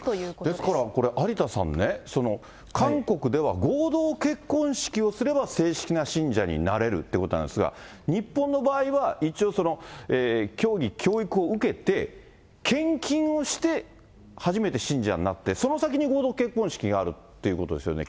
ですからこれ、有田さんね、韓国では合同結婚式をすれば正式な信者になれるということなんですが、日本の場合は、一応、教義、教育を受けて献金をして、初めて信者になって、その先に合同結婚式があるということですよね。